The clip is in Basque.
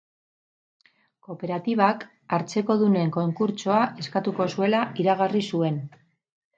Kooperatibak hartzekodunen konkurtsoa eskatuko zuela iragarri zuen.